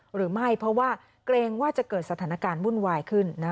หรือไม่เพราะว่าเกรงว่าจะเกิดสถานการณ์วุ่นวายขึ้น